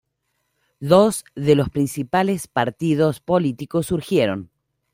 Dos de los principales partidos políticos surgieron.